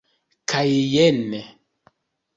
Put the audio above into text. Kaj jen!